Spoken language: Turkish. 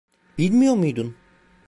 Bilmiyor muydun?